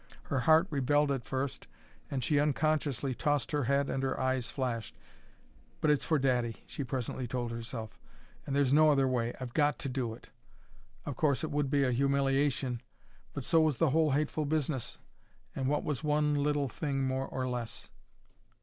Her heart rebelled at first, and she unconsciously tossed her head and her eyes flashed. "But it's for daddy," she presently told herself, "and there's no other way. I've got to do it." Of course, it would be a humiliation; but so was the whole hateful business, and what was one little thing more or less?